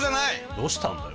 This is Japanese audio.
どうしたんだよ。